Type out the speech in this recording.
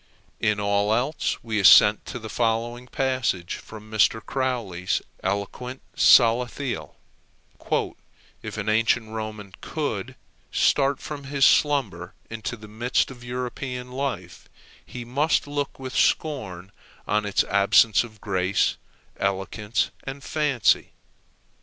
In all else we assent to the following passage from Mr. Croly's eloquent Salathiel: "If an ancient Roman could start from his slumber into the midst of European life, he must look with scorn on its absence of grace, elegance, and fancy.